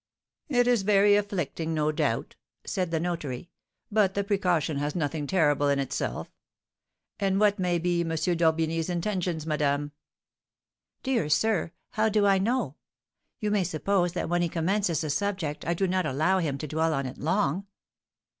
"It is very afflicting, no doubt," said the notary; "but the precaution has nothing terrible in itself. And what may be M. d'Orbigny's intentions, madame?" "Dear sir! How do I know? You may suppose that when he commences the subject I do not allow him to dwell on it long."